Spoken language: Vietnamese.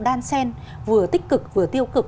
đan sen vừa tích cực vừa tiêu cực